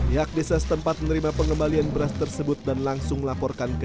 yak desa setempat menerima pengembalian beras tersebut dan langsung melaporkan ke